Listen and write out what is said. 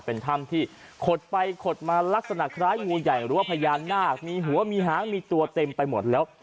เป็นถ้ำที่ขดไปขดมาลักษณะคล้ายงูใหญ่หรือว่าพญานาคมีหัวมีหางมีตัวเต็มไปหมดแล้ว